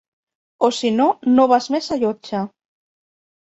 O si no no vas més a Llotja.